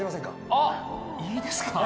あっいいですか？